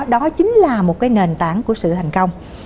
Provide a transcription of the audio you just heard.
đó chính là một nền tảng của sự thành công